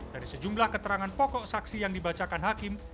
dari sejumlah keterangan pokok saksi yang dibacakan hakim